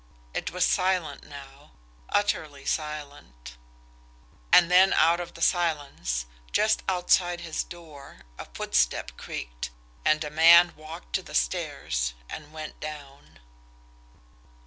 It was silent now, utterly silent and then out of the silence, just outside his door, a footstep creaked and a man walked to the stairs and went down.